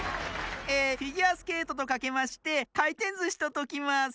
えフィギュアスケートとかけましてかいてんずしとときます。